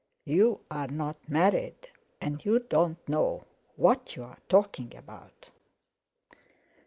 "You're not married, and you don't know what you're talking about."